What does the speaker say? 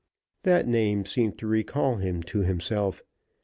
That name seemed to recall him to himself.